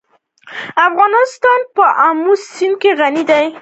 افغانستان په آمو سیند غني دی.